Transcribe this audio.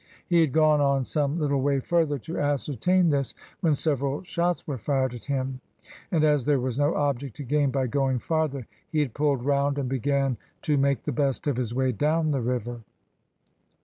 He had gone on some little way further to ascertain this, when several shots were fired at him, and as there was no object to gain by going farther, he had pulled round and began to make the best of his way down the river.